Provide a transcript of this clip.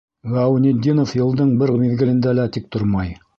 Ғәүнетдинов йылдың бер миҙгелендә лә тик тормай.